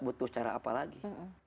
butuh cara apa lagi